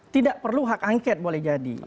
tidak perlu hak angket boleh jadi